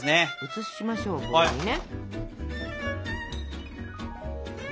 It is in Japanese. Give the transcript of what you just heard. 移しましょうボウルにね。